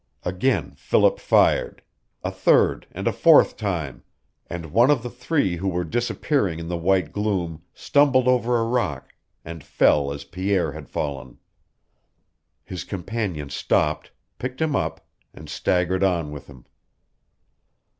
Again Philip fired a third and a fourth time, and one of the three who were disappearing in the white gloom stumbled over a rock, and fell as Pierre had fallen. His companions stopped, picked him up, and staggered on with him.